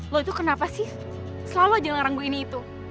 lo itu kenapa sih selalu aja ngeranggu ini itu